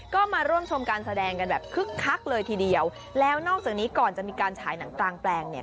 ก็มาร่วมชมการแสดงกันแบบคึกคักเลยทีเดียวแล้วนอกจากนี้ก่อนจะมีการฉายหนังกลางแปลงเนี่ย